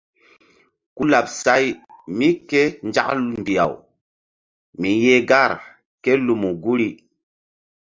Ku laɓ say mí ké nzak mbih-aw mi yeh gar ké lumu guri.